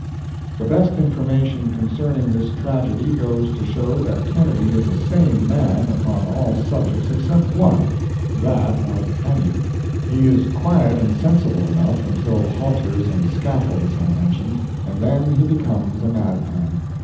The best information concerning this tragedy goes to show that Kennedy is a sane man upon all subjects except one—that of hanging. He is quiet and sensible enough until halters and scaffolds are mentioned, and then he becomes a madman.